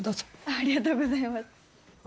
ありがとうございます。